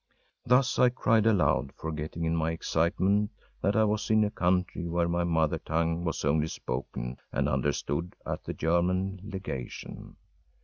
‚ÄĚ Thus I cried aloud, forgetting in my excitement that I was in a country where my mother tongue was only spoken and understood at the German legation.